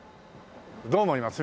どう思います？